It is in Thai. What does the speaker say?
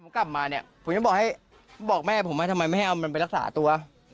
ผมกลับมาเนี่ยผมยังบอกให้บอกแม่ผมว่าทำไมไม่ให้เอามันไปรักษาตัว